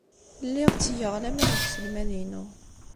Lliɣ ttgeɣ laman deg uselmad-inu.